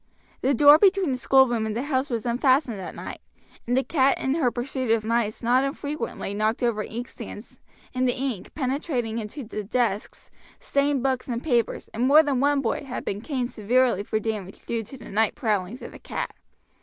The door between the schoolroom and the house was unfastened at night, and the cat in her pursuit of mice not unfrequently knocked over inkstands, and the ink, penetrating into the desks, stained books and papers, and more than one boy had been caned severely for damage due to the night prowlings of the cat.